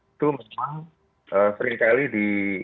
itu memang seringkali di